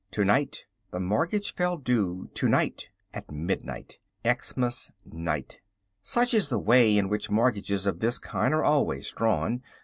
To night the mortgage fell due, to night at midnight, Xmas night. Such is the way in which mortgages of this kind are always drawn.